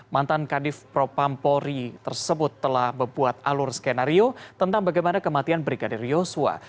mantan kadif propampori tersebut telah membuat alur skenario tentang bagaimana kematian brigadir yosua